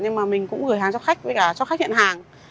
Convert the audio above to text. nhưng mà mình cũng gửi hàng cho khách với cả cho khách nhận hàng